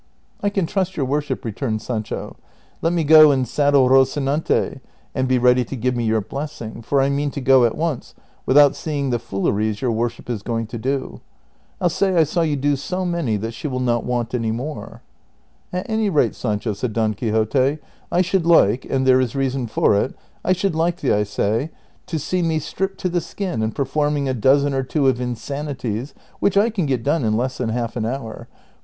"lean trust your worship," returned Sancho; "let me go and saddle Rocinante, and be ready to give me your blessing, for I mean to go at once without seeing the fooleries your worship is going to do ; I '11 say I saw you do so many that she will not want any more." " At any rate, Sancho," said Don Quixote, " I should like — and there is reason for it — I should like thee, I say, to see me stripped to the skin and performing a dozen or two of in sanities, which I can get done in less than half an hour ; for ' The rubrica, or fiourisli, which is always a part of a Spanish signa ture. 202 DON QUIXOTE.